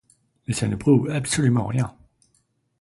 Mais ça ne prouve absolument rien.